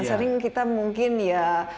sering kita mungkin ya